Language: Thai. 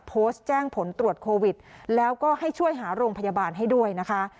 โพสต์แจ้งผลตรวจโควิดแล้วก็ให้ช่วยหาโรงพยาบาลให้ด้วยนะคะ